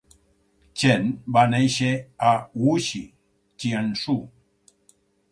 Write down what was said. Chen va néixer a Wuxi, Jiangsu.